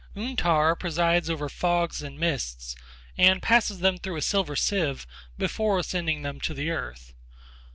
Untar presides over fogs and mists, and passes them through a silver sieve before sending them to the earth.